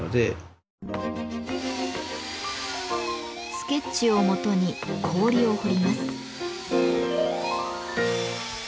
スケッチをもとに氷を彫ります。